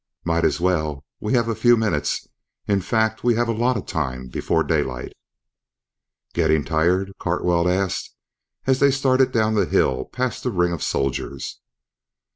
"Might as well. We have a few minutes in fact, we have a lot of time, before daylight." "Getting tired?" Cartwell asked, as they started down the hill past the ring of soldiers.